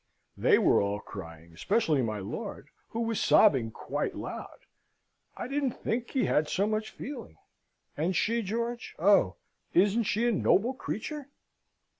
They were all crying, especially my lord, who was sobbing quite loud. I didn't think he had so much feeling. And she, George? Oh, isn't she a noble creature?"